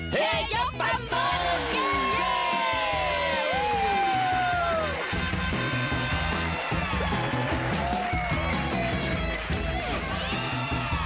เฮยกตำรวจ